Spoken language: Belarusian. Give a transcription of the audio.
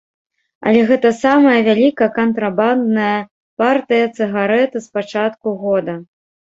Але гэта самая вялікая кантрабандная партыя цыгарэт з пачатку года.